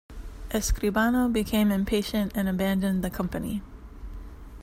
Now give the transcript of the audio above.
Escribano became impatient and abandoned the company.